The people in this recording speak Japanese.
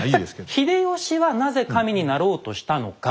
秀吉はなぜ神になろうとしたのか。